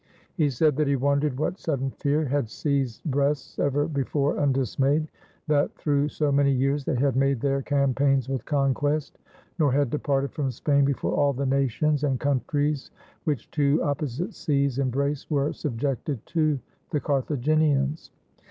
He said that he wondered what sudden fear had seized breasts ever before undismayed: that through so many years they had made their campaigns with conquest ; nor had departed from Spain before all the nations and countries which two opposite seas embrace were sub jected to the Carthaginians.